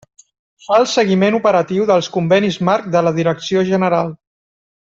Fa el seguiment operatiu dels convenis marc de la Direcció General.